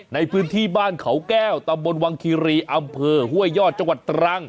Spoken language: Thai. ในพื้นที่บ้านเขาแก้วตำบลวังคีรีอำเภอห้วยยอดจังหวัดตรัง